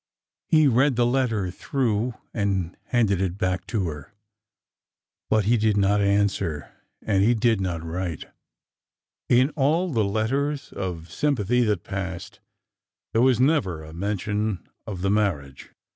He read the letter through and handed it back to her. 390 ORDER NO. 11 But he did not answer, and he did not write. In all the letters of sympathy that passed there was never a men tion of the marriage.